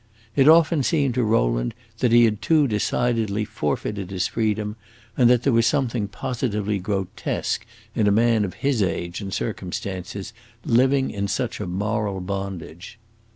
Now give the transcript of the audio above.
It often seemed to Rowland that he had too decidedly forfeited his freedom, and that there was something positively grotesque in a man of his age and circumstances living in such a moral bondage.